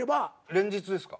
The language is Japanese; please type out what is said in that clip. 連日ですか？